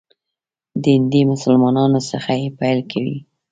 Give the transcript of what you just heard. د هندي مسلمانانو څخه یې پیل کوي.